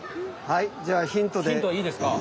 はいじゃヒントです。